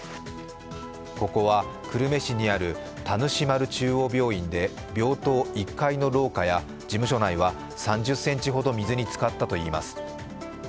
ここは久留米市にある田主丸中央病院で病棟１階の廊下や事務所内は３０ｃｍほど水につかったといいます。